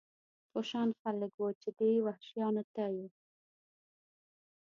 په شان خلک و، چې دې وحشیانو ته یې.